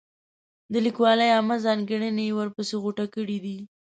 د لیکوالۍ عامې ځانګړنې یې ورپسې غوټه کړي دي.